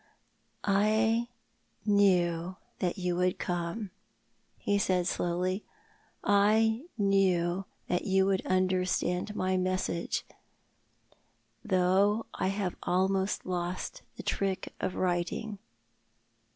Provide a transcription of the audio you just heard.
"I knew that you would come," he said slowly. "I knew that you would understand my message — though I have almost lost the trick of writing."